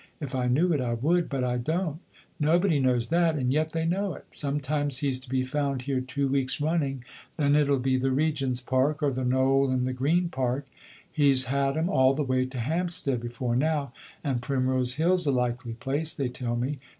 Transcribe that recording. If I knew it, I would but I don't. Nobody knows that and yet they know it. Sometimes he's to be found here two weeks running; then it'll be the Regent's Park, or the Knoll in the Green Park. He's had 'em all the way to Hampstead before now, and Primrose Hill's a likely place, they tell me.